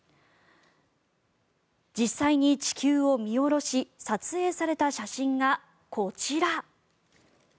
実際に地球を見下ろし撮影された写真がこちら。